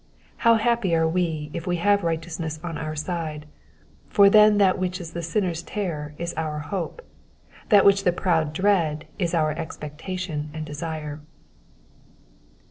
How happ^ are we if we have righteousness on our side ; for then that which is the sinners' terror is our hope, that which the proud dread is our expectation and desire.